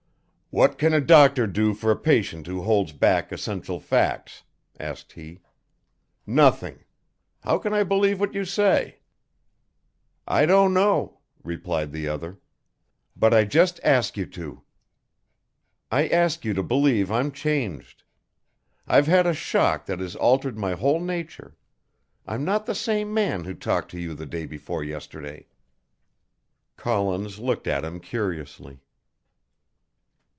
"What can a doctor do for a patient who holds back essential facts?" asked he. "Nothing. How can I believe what you say?" "I don't know," replied the other. "But I just ask you to. I ask you to believe I'm changed. I've had a shock that has altered my whole nature. I'm not the same man who talked to you the day before yesterday." Collins looked at him curiously.